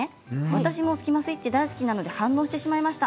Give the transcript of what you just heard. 私もスキマスイッチが大好きなので反応してしまいました。